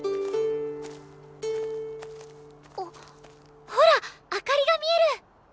あっほら明かりが見える！